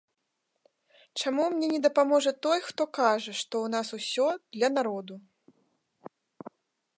Чаму мне не дапаможа той, хто кажа, што ў нас усё для народу?